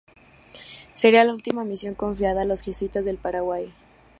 Sería la última misión confiada a los jesuitas del Paraguay.